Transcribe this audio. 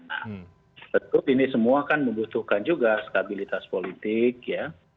nah tentu ini semua kan membutuhkan juga stabilitas politik ya